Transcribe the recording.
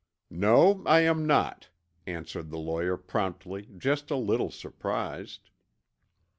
"No, I am not," answered the lawyer promptly, just a little surprised.